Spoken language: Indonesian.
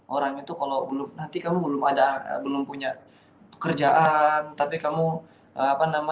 orang itu kalau nanti kamu belum punya pekerjaan